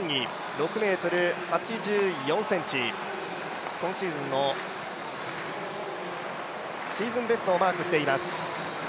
６ｍ８４ｃｍ、今シーズンのシーズンベストをマークしています。